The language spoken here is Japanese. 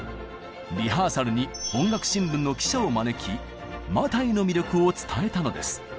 リハーサルに音楽新聞の記者を招き「マタイ」の魅力を伝えたのです。